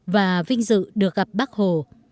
và vinh dự được gặp bác hồ